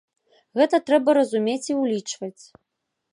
Гэта трэба разумець і ўлічваць.